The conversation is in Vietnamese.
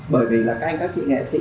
bởi vì là các anh các chị nghệ sĩ